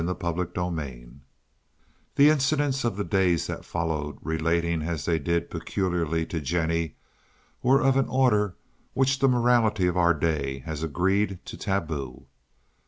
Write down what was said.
CHAPTER XI The incidents of the days that followed, relating as they did peculiarly to Jennie, were of an order which the morality of our day has agreed to taboo.